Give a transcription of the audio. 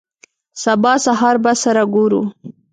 سبا سهار به سره ګورو.